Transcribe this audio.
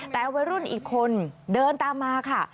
แต่วัยรุ่นอีกคนเดินตามมาค่ะ